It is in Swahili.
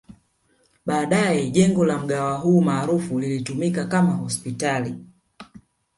Baadae jengo la mgahawa huu maarufu lilitumika kama hospitali